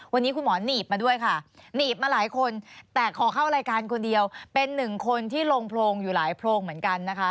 วันนี้คุณหมอหนีบมาด้วยค่ะหนีบมาหลายคนแต่ขอเข้ารายการคนเดียวเป็นหนึ่งคนที่ลงโพรงอยู่หลายโพรงเหมือนกันนะคะ